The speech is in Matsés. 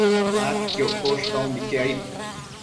adquioccosh caumbique aid